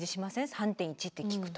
３．１って聞くと。